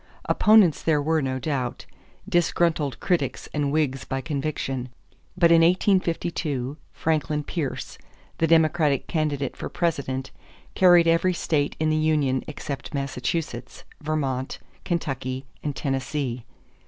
Opponents there were, no doubt, disgruntled critics and Whigs by conviction; but in 1852 Franklin Pierce, the Democratic candidate for President, carried every state in the union except Massachusetts, Vermont, Kentucky, and Tennessee.